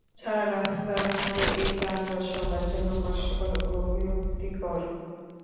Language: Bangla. চার রাস্তার মোড়ে এই যানজট সবার জন্য কষ্টকর ও বিরক্তিকর।